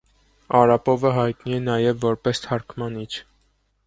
Արապովը հայտնի է նաև որպես թարգմանիչ։